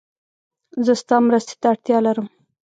زه ستا مرسته ته اړتیا لرم.